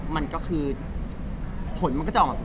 มันก็คือผลมันก็จะออกแบบ